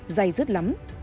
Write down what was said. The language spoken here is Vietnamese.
dày dứt lắm